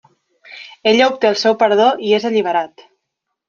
Ella obté el seu perdó i és alliberat.